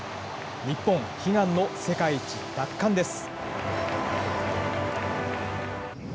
日本、悲願の世界一奪還です。